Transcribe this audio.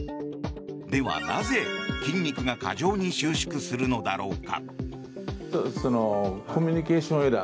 ではなぜ筋肉が過剰に収縮するのだろうか。